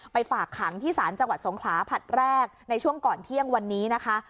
ฝากขังที่ศาลจังหวัดสงขลาผลัดแรกในช่วงก่อนเที่ยงวันนี้นะคะ